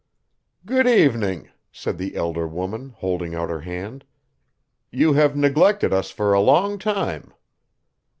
"Good evening," said the elder woman, holding out her hand. "You have neglected us for a long time."